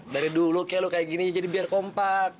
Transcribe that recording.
dari dulu kayak lo kayak gini aja jadi biar kompak